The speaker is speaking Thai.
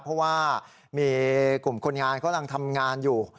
เพราะว่ามีกลุ่มคนงานเขากำลังทำงานอยู่